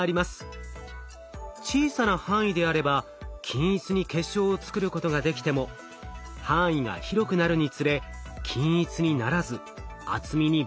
小さな範囲であれば均一に結晶を作ることができても範囲が広くなるにつれ均一にならず厚みにばらつきが出てきます。